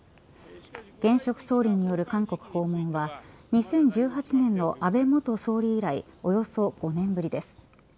現職総理による韓国訪問は２０１８年の安倍元総理以来およそ５年ぶりです。